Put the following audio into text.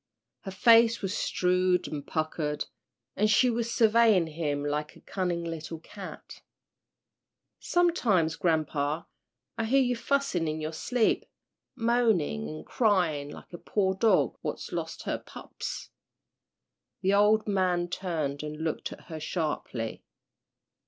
Her face was shrewd and puckered, and she was surveying him like a cunning little cat. "Sometimes, grampa, I hear you fussin' in your sleep moanin' an' cryin' like a poor dog what's lost her pups." The old man turned and looked at her sharply.